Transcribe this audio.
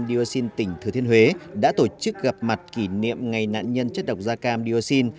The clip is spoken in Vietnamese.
dioxin tỉnh thừa thiên huế đã tổ chức gặp mặt kỷ niệm ngày nạn nhân chất độc da cam dioxin